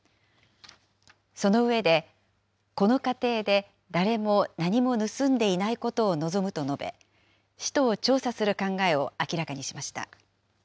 その上で、この過程で誰も何も盗んでいないことを望むと述べ、使途を調査する考えを明らかにしました。